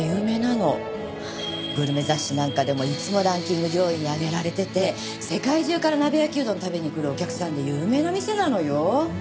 グルメ雑誌なんかでもいつもランキング上位に挙げられてて世界中から鍋焼きうどんを食べに来るお客さんで有名な店なのよ。